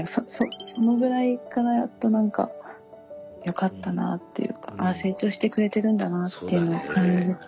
そのぐらいからやっと何かよかったなというかああ成長してくれてるんだなっていうのを感じて。